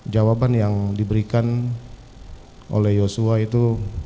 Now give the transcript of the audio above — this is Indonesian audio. jawaban yang diberikan oleh yosua itu